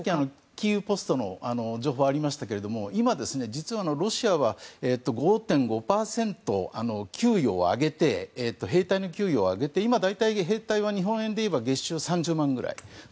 キーウ・ポストの情報がありましたけども今、実はロシアは５．５％兵隊の給与を上げて今、兵隊は日本円でいえば月収３０万くらい。